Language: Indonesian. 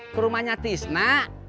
ke rumahnya tisna